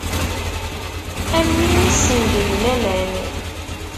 Am win issenduyen aman.